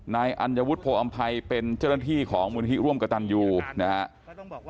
นายอัญวุฒิโพออำภัยเป็นเจ้าหน้าที่ของมูลที่ร่วมกระตันยูนะครับ